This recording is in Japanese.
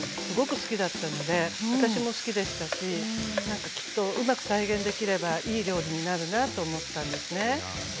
すごく好きだったので私も好きでしたしきっとうまく再現できればいい料理になるなと思ったんですね。